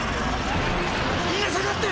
みんな下がって！